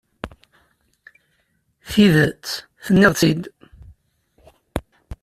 Tidet, tenniḍ-tt-id.